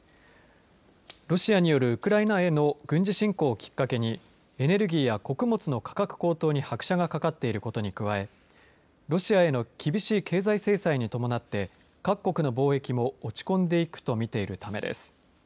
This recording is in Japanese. ロシアによるウクライナへの軍事侵攻をきっかけにエネルギーや穀物の価格高騰に拍車がかかっていることに加えロシアへの厳しい経済制裁に伴って各国の貿易も落ち込んでいくと見ているためです。